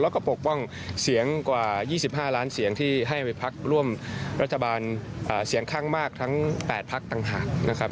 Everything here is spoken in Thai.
แล้วก็ปกป้องเสียงกว่า๒๕ล้านเสียงที่ให้ไปพักร่วมรัฐบาลเสียงข้างมากทั้ง๘พักต่างหากนะครับ